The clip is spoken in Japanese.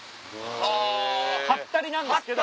はったりなんですけど。